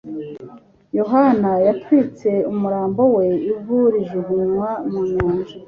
yohana yatwitse umurambo we ivu rijugunywa mu nyanja